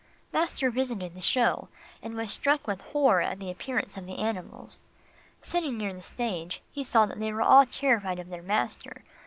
Master visited the show, and was struck with horror at the appearance of the animals. Sitting near the stage, he saw that they were all terrified of their master.